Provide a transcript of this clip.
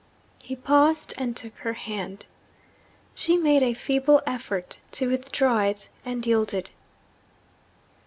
He paused, and took her hand. She made a feeble effort to withdraw it and yielded.